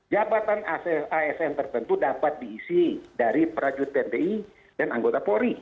dan asn tertentu dapat diisi dari prajud pdi dan anggota kori